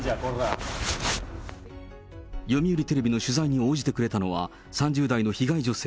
読売テレビの取材に応じてくれたのは、３０代の被害女性。